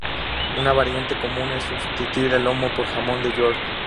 Una variante común es sustituir el lomo por jamón de york.